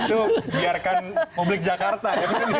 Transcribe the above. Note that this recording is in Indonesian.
itu biarkan publik jakarta